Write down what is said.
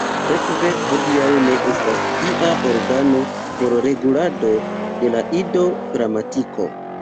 Sekve, hodiaŭ ne estas ia organo por regulado de la Ido-gramatiko.